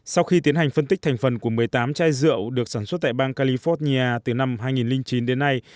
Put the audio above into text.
sau khi tiến hành phân tích thành phần của một mươi tám chai rượu được sản xuất tại bang california từ năm hai nghìn chín đến nay